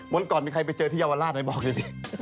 วันก่อนมีใครไปเจอที่เยาวราชไหนบอกดี